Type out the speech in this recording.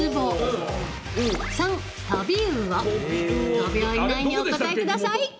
５秒以内にお答えください。